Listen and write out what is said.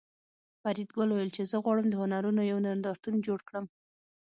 فریدګل وویل چې زه غواړم د هنرونو یو نندارتون جوړ کړم